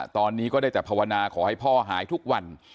ตอนนี้ก็ได้แต่ภาวนาขอให้พ่อหายทุกวัน